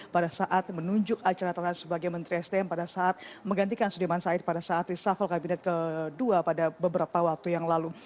pada saat menunjuk archandra thakar sebagai menteri sdm pada saat menggantikan sudirman said pada saat disafol kabinet ke dua pada beberapa waktu yang lalu